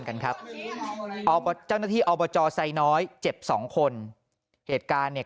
กันครับเจ้าหน้าที่อบจไซน้อยเจ็บสองคนเหตุการณ์เนี่ย